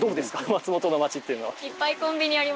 松本の町っていうのは。